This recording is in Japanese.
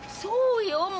そうよ